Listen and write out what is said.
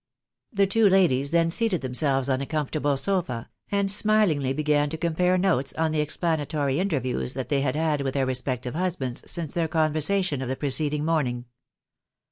The two ladies then seated themselves on a comfortable sofa, and smiUngly began to compare notes on the explanatory interviews they had had with their respective husbands, since their conversa tion of the preceding morning.